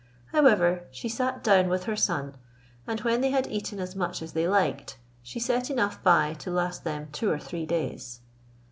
However, she sat down with her son, and when they had eaten as much as they liked, she set enough by to last them two or three days.